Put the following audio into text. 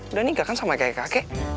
udah nikah kan sama kayak kakek